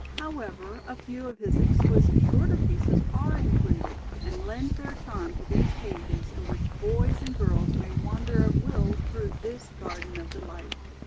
However, a few of his ex quisite shorter pieces are included, and lend their charm to these pages in which boys and girls may wander at will through this Garden of De light.